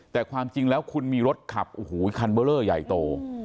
แต่ความจริงแล้วคุณมีรถขับโอ้โหคันเบอร์เลอร์ใหญ่โต